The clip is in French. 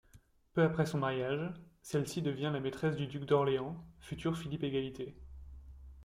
Peu après son mariage, celle-ci devient la maîtresse du duc d'Orléans, futur Philippe-Égalité.